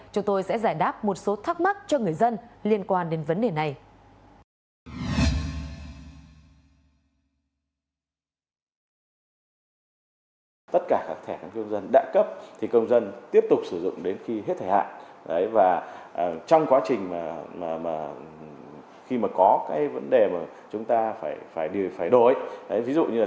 chúng tôi sẽ giải đáp một số thắc mắc cho người dân liên quan đến vấn đề này